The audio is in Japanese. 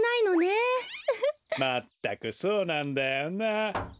まったくそうなんだよな。